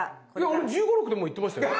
俺１５１６でもう行ってましたよ。